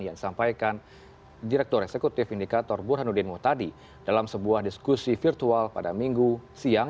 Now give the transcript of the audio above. yang disampaikan direktur eksekutif indikator burhanuddin muhtadi dalam sebuah diskusi virtual pada minggu siang